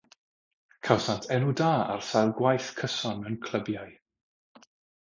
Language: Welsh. Cawsant enw da ar sail gwaith cyson mewn clybiau.